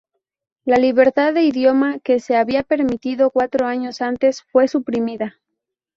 La libertad de idioma, que se había permitido cuatro años antes, fue suprimida.